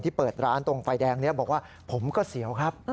เปิดร้านตรงไฟแดงนี้บอกว่าผมก็เสียวครับ